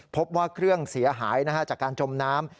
พบว่าเครื่องเสียหายจากการจมน้ำ